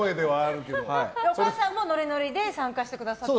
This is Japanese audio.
お母さんもノリノリで参加してくださってる？